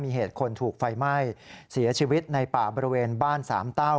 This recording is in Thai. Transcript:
มีเหตุคนถูกไฟไหม้เสียชีวิตในป่าบริเวณบ้านสามเต้า